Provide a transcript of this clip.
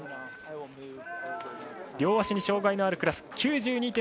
ＬＷ３両足に障がいのあるクラス。